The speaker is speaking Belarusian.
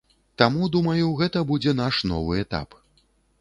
Таму, думаю, гэта будзе наш новы этап.